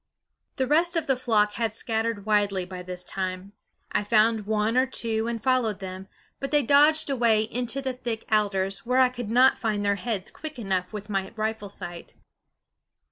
The rest of the flock had scattered widely by this time. I found one or two and followed them; but they dodged away into the thick alders, where I could not find their heads quick enough with my rifle sight.